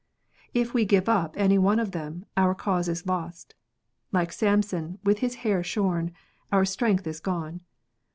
If we give up any one of them, our cause is lost. Like Samson, with his hair shorn, our strength is gone.